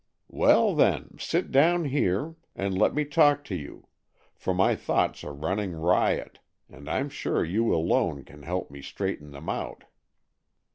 "Well, then, sit down here, and let me talk to you, for my thoughts are running riot, and I'm sure you alone can help me straighten them out."